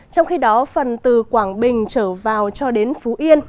trong khi đó phần từ quảng bình trở vào cho đến phú yên